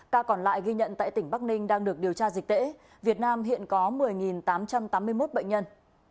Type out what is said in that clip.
ca còn lại ghi nhận tại tỉnh bắc ninh đang được điều tra dịch tễ việt nam hiện có một mươi tám trăm tám mươi một bệnh nhân